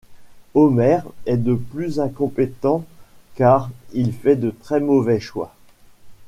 Homer est de plus incompétent car il fait de très mauvais choix...